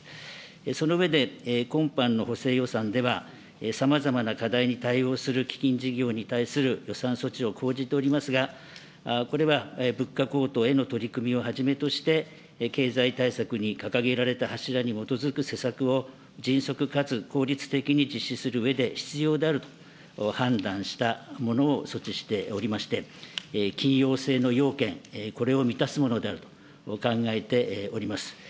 その上で、今般の補正予算では、さまざまな課題に対応する基金事業に対する予算措置を講じておりますが、これは物価高騰への取り組みをはじめとして経済対策に掲げられた柱に基づく施策を迅速かつ効率的に実施するうえで必要であると判断したものを措置しておりまして、緊要性の要件、これを満たすものであると考えております。